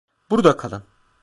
Burada kalın.